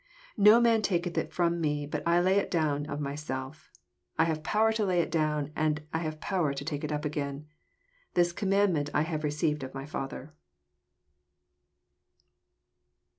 18 No man taketh it from me, but I lay it down of myself. I have power to lay it down, and I have power to take it again. This oonunandiinent have I received of my Father.